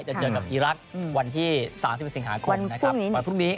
จะเจอกับอีรักษ์วันที่๓๑สิงหาคมนะครับวันพรุ่งนี้